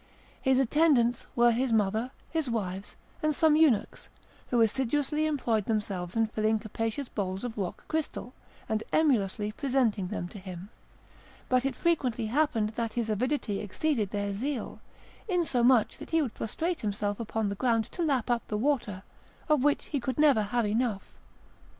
His attendants were his mother, his wives, and some eunuchs, who assiduously employed themselves in filling capacious bowls of rock crystal, and emulously presenting them to him; but it frequently happened that his avidity exceeded their zeal, insomuch that he would prostrate himself upon the ground to lap up the water, of which he could never have enough.